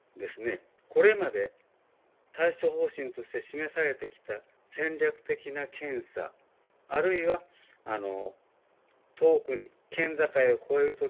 これまで対処方針として示されてきた戦略的な検査あるいは、遠くに県境を越える時。